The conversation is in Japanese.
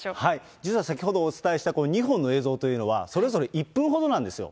実は先ほどお伝えした、この２本の映像というのは、それぞれ１分ほどなんですよ。